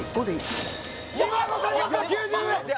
２５６９０円！